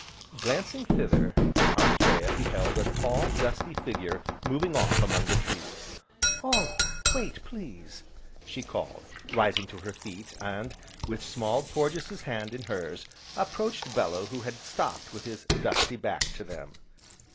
Glancing thither, Anthea beheld a tall, dusty figure moving off among the trees. "Oh, wait, please!" she called, rising to her feet, and, with Small Porges' hand in hers, approached Bellew who had stopped with his dusty back to them.